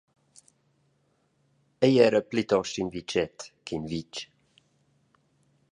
Ei era plitost in vitget ch’in vitg.